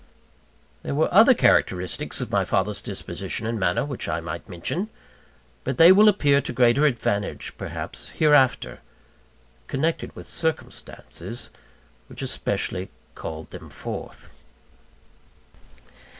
There were other characteristics of my father's disposition and manner, which I might mention; but they will appear to greater advantage, perhaps, hereafter, connected with circumstances which especially called them forth.